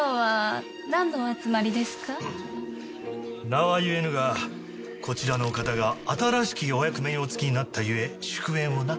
名は言えぬがこちらのお方が新しきお役目にお就きになったゆえ祝宴をな。